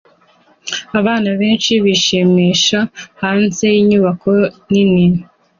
Abana benshi bishimisha hanze yinyubako nini